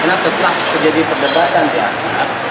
karena setelah terjadi perdebatan di atas